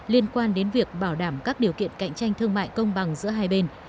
liên quan đến việc bảo đảm các điều kiện cạnh tranh thương mại công bằng giữa hai bên